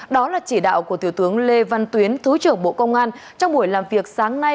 đó là chỉ đạo của thiếu tướng lê văn tuyến thứ trưởng bộ công an trong buổi làm việc sáng nay